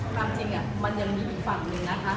ความจริงมันยังมีอีกฝั่งหนึ่งนะคะ